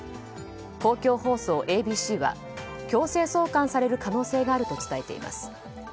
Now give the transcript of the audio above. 公共放送ＡＢＣは強制送還される可能性があると伝えています。